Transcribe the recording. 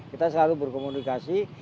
kita selalu berkomunikasi